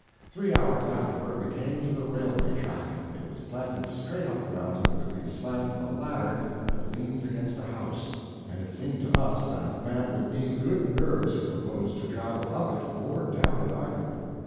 Three hours afterward we came to the railway track. It was planted straight up the mountain with the slant of a ladder that leans against a house, and it seemed to us that man would need good nerves who proposed to travel up it or down it either.